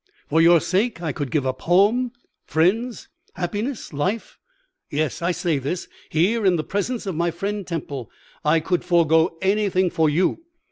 For your sake I could give up home, friends, happiness, life. Yes, I say this, here, in the presence of my friend Temple. I could forego anything for you.